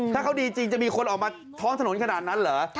ถ้าเขาดีจริงจะมีคนออกมาท้องถนนขนาดนั้นเหรอ